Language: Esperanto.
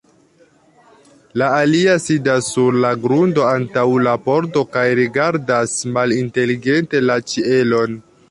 La alia sidas sur la grundo antaŭ la pordo kaj rigardas malinteligente la ĉielon.